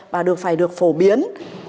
và phải được phổ biến